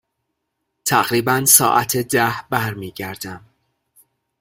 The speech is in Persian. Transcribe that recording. تقریبا ساعت ده برمی گردم.